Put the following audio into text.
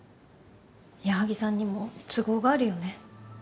矢作さんにも都合があるよね。